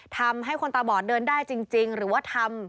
ทำให้คนตาบอดเดินได้จริงหรือว่าทำ